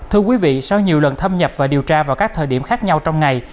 thưa quý vị sau nhiều lần thâm nhập và điều tra vào các thời điểm khác nhau trong ngày